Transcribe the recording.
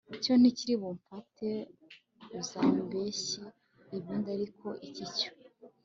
cyo ntikiribumfate uzambeshyi ibindi ariko iki cyo